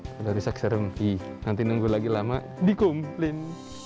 kalau ada yang sakit serem ih nanti nunggu lagi lama di kumplin